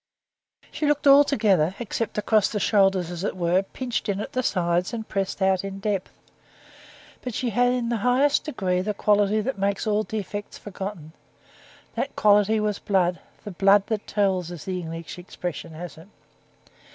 She looked altogether, except across the shoulders, as it were, pinched in at the sides and pressed out in depth. But she had in the highest degree the quality that makes all defects forgotten: that quality was blood, the blood that tells, as the English expression has it.